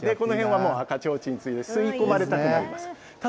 この辺は赤ちょうちん、吸い込まれたくなります。